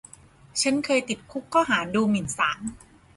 ฉันเคยติดคุกข้อหาดูหมิ่นศาล